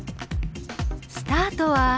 スタートは。